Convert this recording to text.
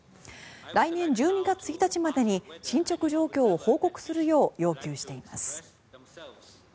来年１２月１日までに進ちょく状況を報告するよう要求しています。